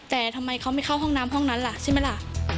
แต่ทำไมเขาไม่เข้าห้องน้ำห้องนั้นล่ะใช่ไหมล่ะ